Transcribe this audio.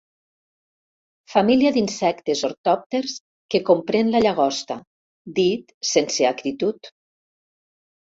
Família d'insectes ortòpters que comprèn la llagosta, dit sense acritud.